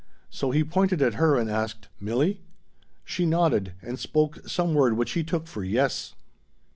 So he pointed at her and asked, "Milli?" She nodded, and spoke some word which he took for "yes."